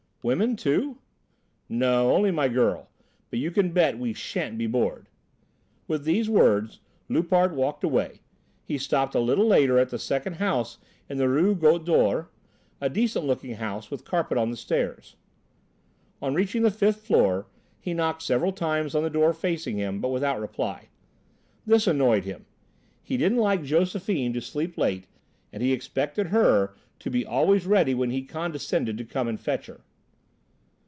"Women, too?" "No, only my girl. But you can bet we shan't be bored!" With these words, Loupart walked away. He stopped a little later at the second house in the Rue Goutte d'Or, a decent looking house with carpet on the stairs. On reaching the fifth floor, he knocked several times on the door facing him, but without reply. This annoyed him; he didn't like Josephine to sleep late, and he expected her to be always ready when he condescended to come and fetch her.